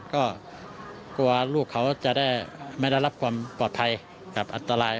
ก็กลัวลูกเขาจะได้ไม่ได้รับความปลอดภัยกับอันตราย